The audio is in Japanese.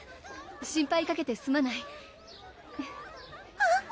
心配かけてすまないはふ